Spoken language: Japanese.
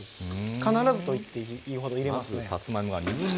必ずと言っていいほど入れます。